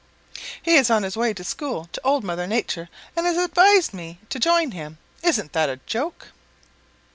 "He is on his way to school to Old Mother Nature and has advised me to join him. Isn't that a joke?"